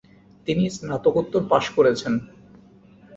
তিনি স্নাতকোত্তর পাশ করেছেন।